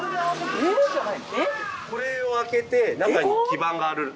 これを開けて中に基盤がある。